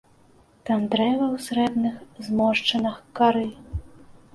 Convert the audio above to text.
Там дрэвы ў срэбных зморшчынах кары.